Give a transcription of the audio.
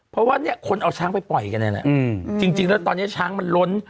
เพราะว่าเนี่ยคนเอาช้างไปปล่อยกันนี่แหละจริงแล้วตอนนี้ช้างมันล้น